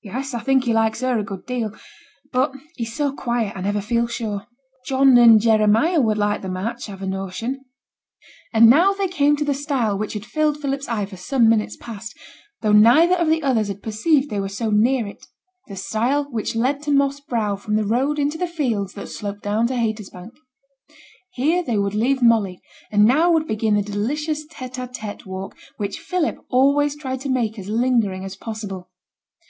'Yes, I think he likes her a good deal; but he's so quiet, I never feel sure. John and Jeremiah would like the match, I've a notion.' And now they came to the stile which had filled Philip's eye for some minutes past, though neither of the others had perceived they were so near it; the stile which led to Moss Brow from the road into the fields that sloped down to Haystersbank. Here they would leave Molly, and now would begin the delicious tete a tete walk, which Philip always tried to make as lingering as possible.